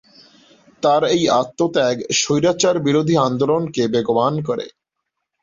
তার এই আত্মত্যাগ স্বৈরাচার বিরোধী আন্দোলনকে বেগবান করে।